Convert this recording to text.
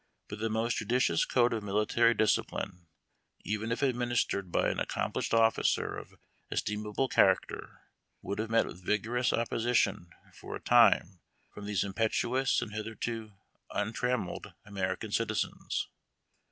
But the most judicious code of miWa.y dLipline, even if administered by an accomplished officer o ell^imable character, would have met with goro opp sitioii for a time, from these impetuous and hitl_ieito un Implied American citizens.